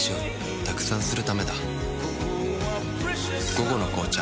「午後の紅茶」